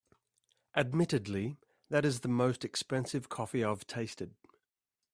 Admittedly, that is the most expensive coffee I’ve tasted.